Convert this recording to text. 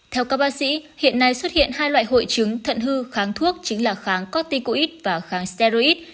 theo các bác sĩ hiện nay xuất hiện hai loại hội chứng thận hư kháng thuốc chính là kháng corticoid và kháng sterid